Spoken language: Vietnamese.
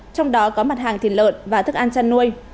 trong đó có mặt hàng thịt lợn và thức ăn chăn nuôi